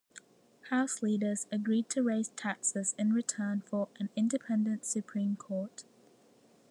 House leaders agreed to raise taxes in return for an independent Supreme Court.